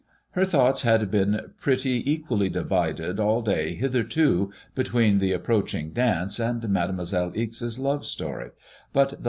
Her thoughts had been pretty equally divided all day hitherto between the ap proaching dance and Mademoi selle Ixe's love story^ but the 10 143 MADEMOI8BLLB IXB.